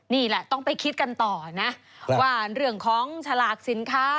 นี่แหละต้องไปคิดกันต่อนะว่าเรื่องของฉลากสินค้า